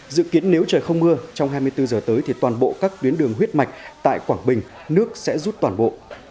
dự kiến nếu trời không mưa trong hai mươi bốn giờ tới thì toàn bộ các tuyến đường huyết mạch tại quảng bình nước sẽ rút toàn bộ